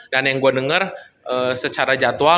dan yang gue denger secara jadwal